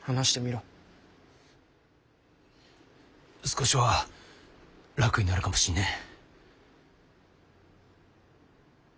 少しは楽になるかもしれねえ。